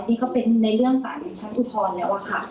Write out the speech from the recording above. นี่ก็เป็นในเรื่องสารชั้นอุทธรณ์แล้วอะค่ะ